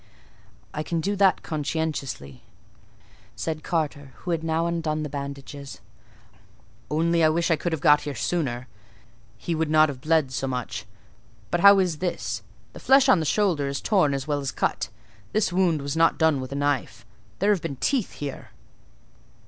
"I can do that conscientiously," said Carter, who had now undone the bandages; "only I wish I could have got here sooner: he would not have bled so much—but how is this? The flesh on the shoulder is torn as well as cut. This wound was not done with a knife: there have been teeth here!"